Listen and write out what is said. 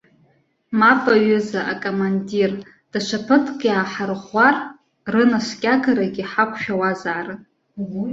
Мап, аҩыза акомандир, даҽа ԥыҭк иааҳарӷәӷәар, рынаскьагарагьы ҳақәшәауазаарын.